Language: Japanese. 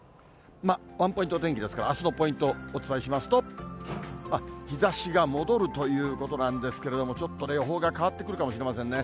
ワンポイント天気ですから、あすのポイント、お伝えしますと、日ざしが戻るということなんですけれども、ちょっと予報が変わってくるかもしれませんね。